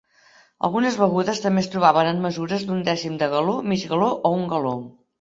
Algunes begudes també es trobaven en mesures d'un dècim de galó, mig galó o un galó.